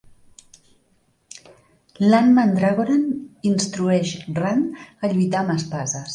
Lan Mandragoran instrueix Rand a lluitar amb espases.